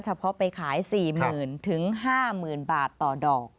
เฉพาะไปขาย๔๐๐๐๕๐๐๐บาทต่อดอก